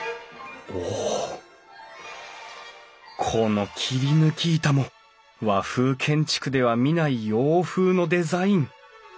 この切り抜き板も和風建築では見ない洋風のデザイン。